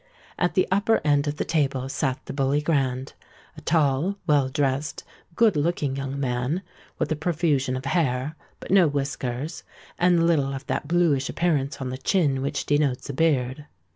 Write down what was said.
At the upper end of the table sate the Bully Grand—a tall, well dressed, good looking young man, with a profusion of hair, but no whiskers, and little of that blueish appearance on the chin which denotes a beard.